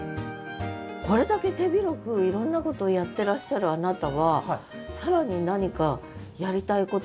これだけ手広くいろんなことをやってらっしゃるあなたは更に何かやりたいこととかあるんですか？